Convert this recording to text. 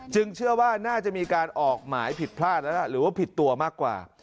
เชื่อว่าน่าจะมีการออกหมายผิดพลาดแล้วล่ะหรือว่าผิดตัวมากกว่า